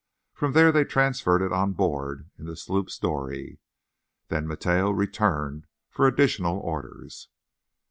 From there they transferred it on board in the sloop's dory. Then Mateo returned for additional orders.